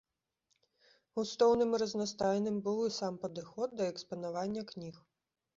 Густоўным і разнастайным быў і сам падыход да экспанавання кніг.